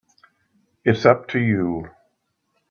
It's up to you.